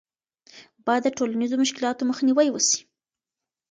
باید د ټولنیزو مشکلاتو مخنیوی وسي.